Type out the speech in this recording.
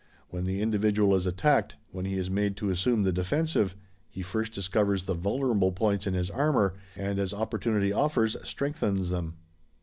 When the individual is attacked, when he is made to assume the defensive, he first discovers the vulnerable points in his armor, and as opportunity offers strengthens them.